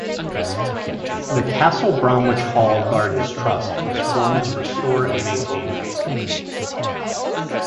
The "Castle Bromwich Hall Gardens Trust" was formed to restore and maintain them.